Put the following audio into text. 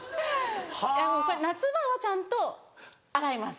でも夏場はちゃんと洗います。